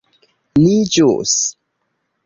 Ni ĵus...